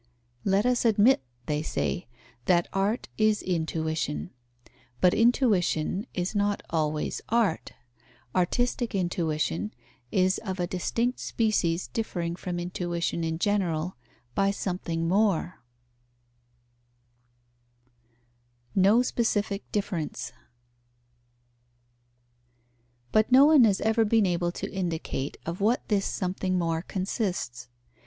"Let us admit" (they say) "that art is intuition; but intuition is not always art: artistic intuition is of a distinct species differing from intuition in general by something more." No specific difference. But no one has ever been able to indicate of what this something more consists.